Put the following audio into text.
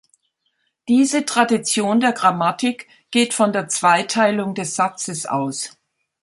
Diese Tradition der Grammatik geht von der Zweiteilung des Satzes aus.